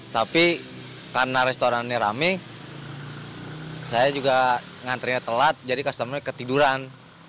tapi karena restorannya rame saya juga ngantrinya telat jadi customernya ketiduran